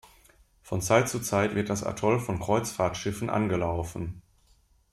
Von Zeit zu Zeit wird das Atoll von Kreuzfahrtschiffen angelaufen.